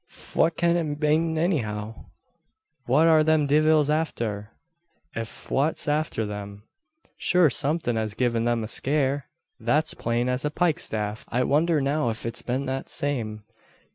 fwhat cyan it mane anyhow? What are them divvils afther? An fwhat's afther them? Shure somethin' has given them a scare that's plain as a pikestaff. I wondher now if it's been that same.